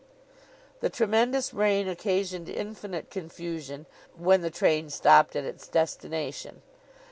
The tremendous rain occasioned infinite confusion, when the train stopped at its destination.